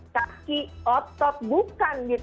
kaki otot bukan